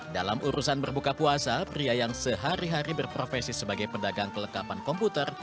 dalam urusan berbuka puasa pria yang sehari hari berprofesi sebagai pedagang kelengkapan komputer